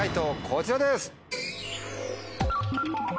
こちらです。